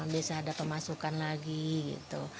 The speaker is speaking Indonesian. bisa ada pemasukan lagi gitu